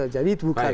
jadi itu bukan